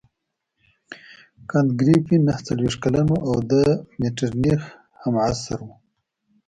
کانت ګریفي نهه څلوېښت کلن وو او د مټرنیخ همعصره وو.